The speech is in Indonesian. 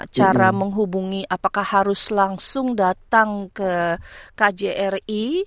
cara menghubungi apakah harus langsung datang ke kjri